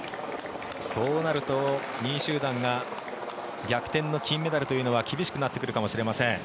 そうなると２位集団が逆転の金メダルというのは厳しくなってくるかもしれません。